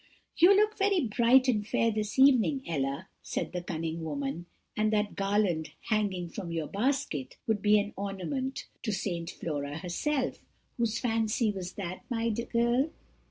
"'You look very bright and fair this evening, Ella,' said the cunning woman; 'and that garland hanging from your basket would be an ornament to Saint Flora herself; whose fancy was that, my girl?